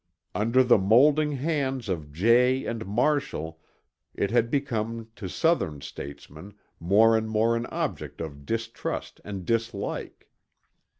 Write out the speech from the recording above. Under the moulding hands of Jay and Marshall it had become to Southern statesmen more and more an object of distrust and dislike.